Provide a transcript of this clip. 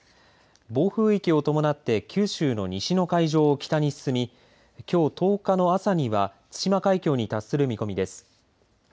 暴風域を伴って九州の西の海上を北に進み、きょう１０日の朝には対馬海峡に達する見込みです。